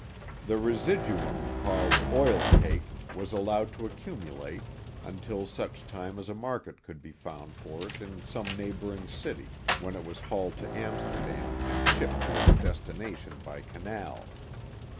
The residuum, called oil cake, was allowed to accumulate until such time as a market could be found for it in some neighboring city, when it was hauled to Amsterdam and shipped to its destination by canal.